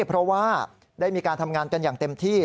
เพราะว่าได้มีการทำงานกันอย่างเต็มที่